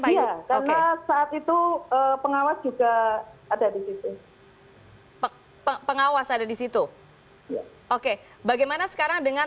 iya karena saat itu pengawas juga ada di situ pengawas ada di situ oke bagaimana sekarang dengan